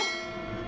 mama dan kamu